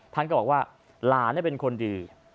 ทั้งฯเขาบอกว่าหลาน่ะเป็นคนดี